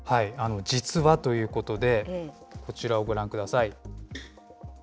実はということで、こちらをご覧ください。